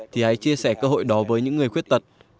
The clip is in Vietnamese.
thì hãy chia sẻ cơ hội đó với những người khuyết tật